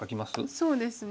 そうですね。